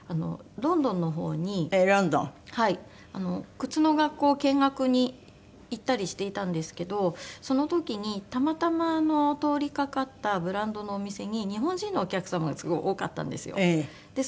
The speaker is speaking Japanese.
靴の学校を見学に行ったりしていたんですけどその時にたまたま通りかかったブランドのお店に日本人のお客様がすごい多かったんですよ。